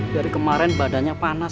dari kemarin badannya panas